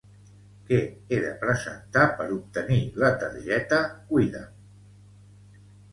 Què he de presentar per obtenir la targeta Cuida'm?